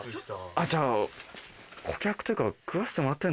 じゃあ顧客というか。